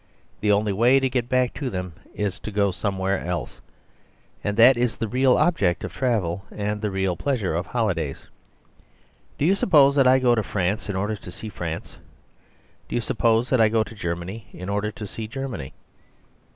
The only way to get back to them is to go somewhere else; and that is the real object of travel and the real pleasure of holidays. Do you suppose that I go to France in order to see France? Do you suppose that I go to Germany in order to see Germany?